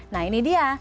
nah ini dia